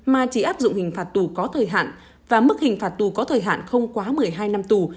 mà chỉ áp dụng hình phạt tù có thời hạn và mức hình phạt tù có thời hạn không quá một mươi hai năm tù